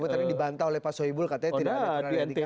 tapi tadi dibantah oleh pak soebul katanya tidak ada yang diganti